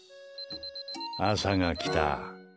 朝が来た。